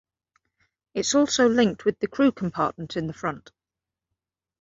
It's also linked with the crew compartment in the front.